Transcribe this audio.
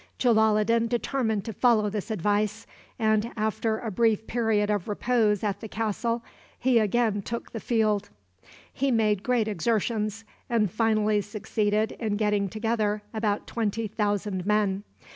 Jalaloddin determined to follow this advice, and, after a brief period of repose at the castle, he again took the field. He made great exertions, and finally succeeded in getting together about twenty thousand men.